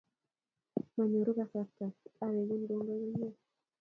Manyoru kasarta awekun kongoi komye